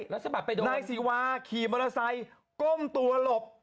นายศิวาขี่มอเตอร์ไซค์ก้มตัวหลบ